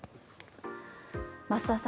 増田さん